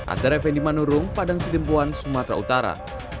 azhar effendi manurung padang sidempuan sumatera utara